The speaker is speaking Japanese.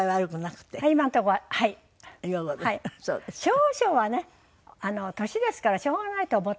少々はね年ですからしょうがないと思ってます。